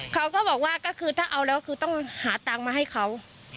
เขาก็บอกว่าก็คือถ้าเอาแล้วคือต้องหาตังค์มาให้เขา